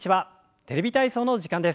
「テレビ体操」の時間です。